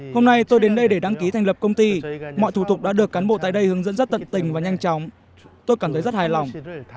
hôm nay tôi đến đây để đăng ký thành lập công ty mọi thủ tục đã được cán bộ tại đây hướng dẫn rất tận tình và nhanh chóng tôi cảm thấy rất hài lòng